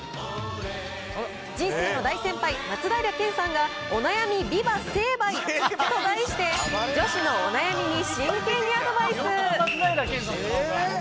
人生の大先輩、松平健さんが、おなやみビバ成敗！と題して、女子のお悩みに真剣にアドバイス。